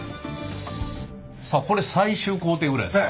さあこれ最終工程ぐらいですか？